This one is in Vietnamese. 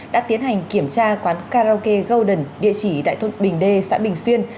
đã tiến hành kiểm tra quán karaoke golden địa chỉ tại thôn bình d xã bình xuyên